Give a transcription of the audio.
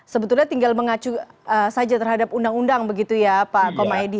sebetulnya tinggal mengacu saja terhadap undang undang begitu ya pak komaydi